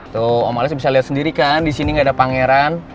tuh om alex bisa lihat sendiri kan di sini gak ada pangeran